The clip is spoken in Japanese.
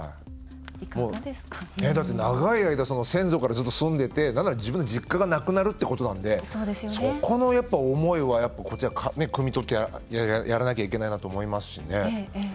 長い間先祖からずっと住んでいて実家がなくなるっていうことなんでそこの思いはこちら、くみ取ってやらなきゃいけないなと思いますしね。